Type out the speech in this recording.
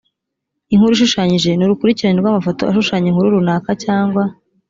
inkuru ishushanyije ni urukurikirane rw amafoto ashushanya inkuru runaka cyangwa